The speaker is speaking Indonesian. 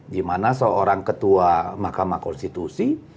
dimana seorang ketua mahkamah konstitusi